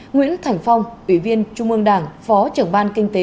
nguyễn thành phong ủy viên trung ương đảng phó trưởng ban kinh tế